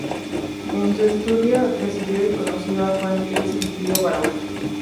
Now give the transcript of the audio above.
En su estudio recibió y conoció a Juan Gris y Pío Baroja.